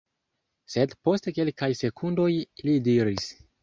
Sed post kelkaj sekundoj li diris: